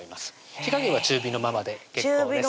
火加減は中火のままで結構です